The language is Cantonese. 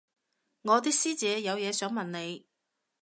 我啲師姐有嘢想問你